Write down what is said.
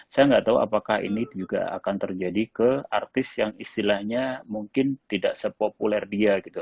saya nggak tahu apakah ini juga akan terjadi ke artis yang istilahnya mungkin tidak sepopuler dia gitu